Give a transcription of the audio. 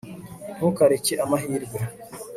ntukareke amahirwe